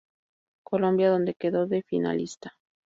Colombia, donde quedó de finalista.